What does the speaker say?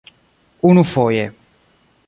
unufoje